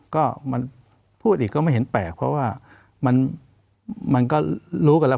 ก็มันพูดอีกก็ไม่เห็นแปลกเพราะว่ามันก็รู้กันแล้ว